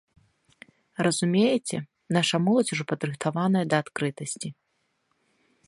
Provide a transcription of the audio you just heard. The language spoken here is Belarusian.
Разумееце, наша моладзь ужо падрыхтаваная да адкрытасці.